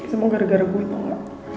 semua gara gara gue dong